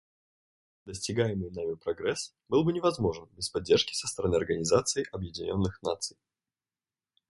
Достигаемый нами прогресс был бы невозможен без поддержки со стороны Организации Объединенных Наций.